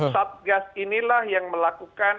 satgas inilah yang melakukan